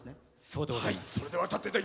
そうでございます。